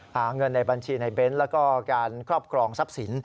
หาเงินในบัญชีในเบ้นแล้วก็การครอบครองทรัพย์สิน